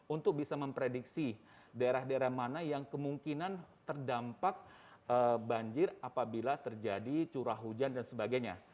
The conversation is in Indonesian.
untuk bisa memprediksi daerah daerah mana yang kemungkinan terdampak banjir apabila terjadi curah hujan dan sebagainya